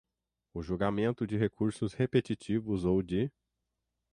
o julgamento de recursos repetitivos ou de